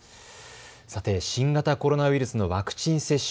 さて、新型コロナウイルスのワクチン接種。